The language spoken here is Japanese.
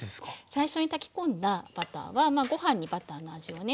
最初に炊き込んだバターはご飯にバターの味をね